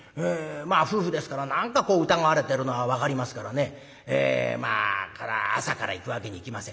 まあ夫婦ですから何かこう疑われてるのは分かりますからねまあこれは朝から行くわけにいきません。